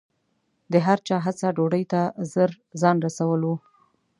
د هر چا هڅه ډوډۍ ته ژر ځان رسول و.